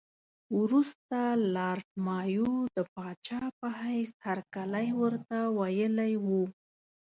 وروسته لارډ مایو د پاچا په حیث هرکلی ورته ویلی وو.